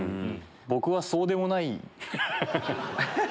僕はそうでもない。